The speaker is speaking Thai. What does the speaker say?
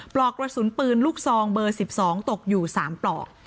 ปลอกกระสุนปืนลูกซองเบอร์๑๒ตกอยู่๓ปลอก